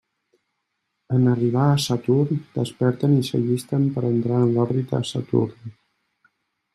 En arribar a Saturn, desperten i s'allisten per entrar en l'òrbita de Saturn.